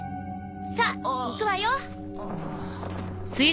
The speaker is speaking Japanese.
さあ行くわよ。